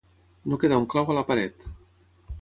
No quedar un clau a la paret.